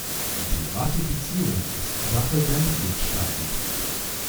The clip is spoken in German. Die Ratifizierung ist Sache der Mitgliedstaaten.